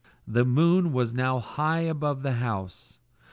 The moon was now high above the house.